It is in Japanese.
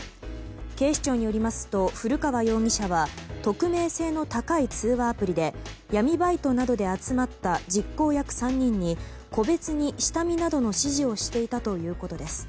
警視庁によりますと古川容疑者は匿名性の高い通話アプリで闇バイトなどで集まった実行役３人に、個別に下見などの指示をしていたということです。